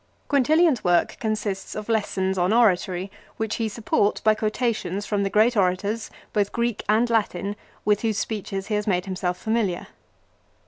Quintilian's work consists of lessons on oratory which he supports by quotations from the great orators, both Greek and Latin, with whose speeches he has made himself familiar.